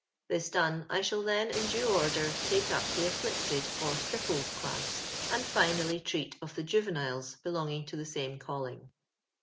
This done, I shall then, in due order, take up the AJUcled or Crippled class ; and finally treat of the Juveniles belonging to the same calling.